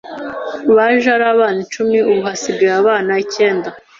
Baje ari abana icumi ubu hasigaye abanai ikenda